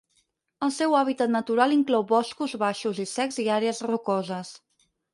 El seu hàbitat natural inclou boscos baixos i secs i àrees rocoses.